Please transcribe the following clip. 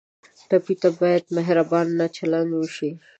ټپي ته باید مهربانه چلند وشي.